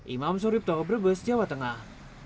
imam suriq toh brebes jawa tengah